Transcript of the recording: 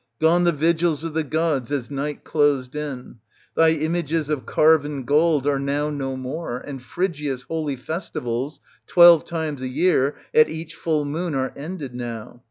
gone the vigils of the gods as night closed in 1 Thy images of carven gold are now no more ; and Phrygia's holy festivals, twelve times a year, at each full moon, are ended now.